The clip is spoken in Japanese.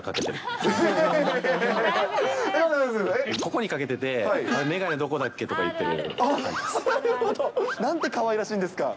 ここにかけてて、眼鏡どこだなんてかわいらしいんですか。